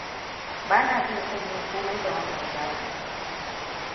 Ba na jin son yin komai da wannan zafin.